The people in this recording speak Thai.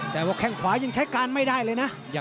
แต่ว่าแข้งขวายังใช้การไม่ได้เลยนะ